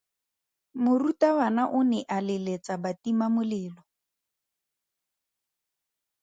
Morutabana o ne a leletsa batimamolelo.